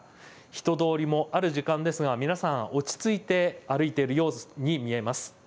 人通りもある時間ですが皆さん、落ち着いて歩いているように見えます。